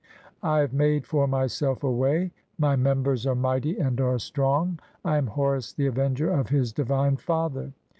I have made for myself a way, my members are "mighty (4) and are strong. I am Horus the avenger of his "divine father.